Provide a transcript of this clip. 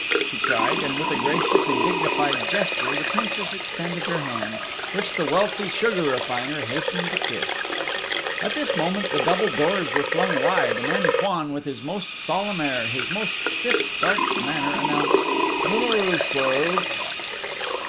she cried. And, with a gracious and dignified gesture, the Princess extended her hand, which the wealthy sugar refiner hastened to kiss. At this moment the double doors were flung wide, and Antoine, with his most solemn air, his most stiff starched manner, announced: "Dinner is served!"